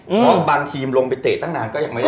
เพราะบางทีมลงไปเตะตั้งนานก็ยังไม่ได้